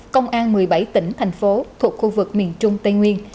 công an một mươi bảy tỉnh thành phố thuộc khu vực miền trung tây nguyên